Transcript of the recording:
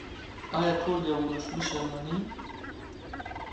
آیا ټول یو ولسمشر مني؟